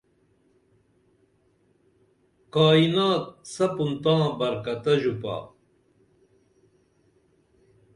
کائینات سپُن تاں برکت تہ ژُپا